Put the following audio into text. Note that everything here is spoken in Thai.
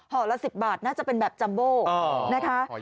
ละ๑๐บาทน่าจะเป็นแบบจัมโบนะคะ